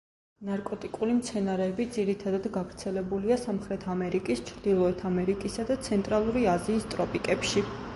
ნარკოტიკული მცენარეები ძირითადად გავრცელებულია სამხრეთ ამერიკის, ჩრდილოეთ ამერიკისა და ცენტრალური აზიის ტროპიკებში.